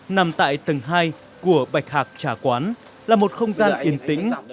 nằm tại tầng hai của bạch hạc trà quán là một không gian yên tĩnh